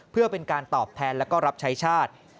เพื่อเป็นการตอบแทนแล้วก็รับใช้ชาติ